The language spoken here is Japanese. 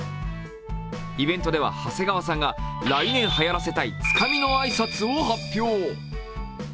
イベントでは長谷川さんが来年はやらせたいつかみの挨拶を発表。